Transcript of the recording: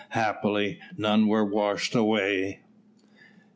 Happily, none were washed away.